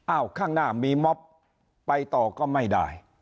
ข้างหน้ามีม็อบไปต่อก็ไม่ได้